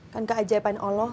kan keajaiban allah